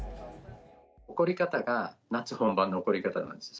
起こり方が、夏本番の起こり方なんです。